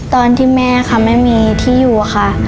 ตอนที่แม่ค่ะไม่มีที่อยู่ค่ะ